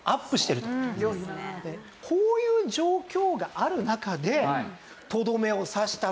こういう状況がある中で。